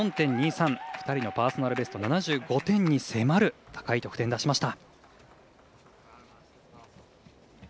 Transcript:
２人のパーソナルベスト７５点に迫る高い得点を出しました。